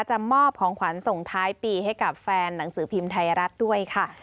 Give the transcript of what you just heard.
จะมอบของขวัญส่งท้ายปีให้กับแฟนหนังสือพิมพ์ไทยรัฐด้วยค่ะ